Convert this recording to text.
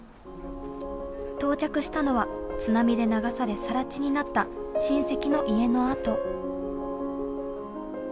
到着したのは津波で流されさら地になった親戚の家の跡。